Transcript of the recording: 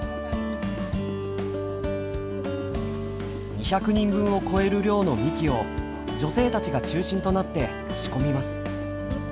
２００人分を超える量のみきを女性たちが中心となって仕込みます。